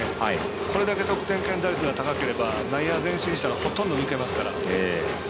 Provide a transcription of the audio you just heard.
これだけ得点圏打率が高ければ内野前進してもほとんど抜けますから。